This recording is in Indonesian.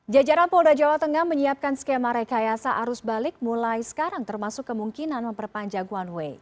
jajaran polda jawa tengah menyiapkan skema rekayasa arus balik mulai sekarang termasuk kemungkinan memperpanjang one way